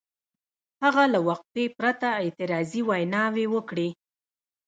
هغه له وقفې پرته اعتراضي ویناوې وکړې.